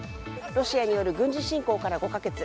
ロシアによる軍事侵攻から５か月。